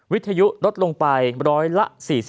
วิทยุลดลงไป๔๐๐ละ๔๕